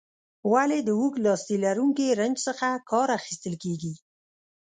ولې د اوږد لاستي لرونکي رنچ څخه کار اخیستل کیږي؟